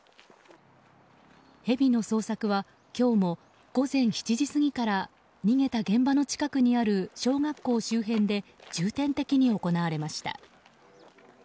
ヘビの捜索は今日も午前７時過ぎから逃げた現場の近くにある小学校の周辺で重点的に行われました。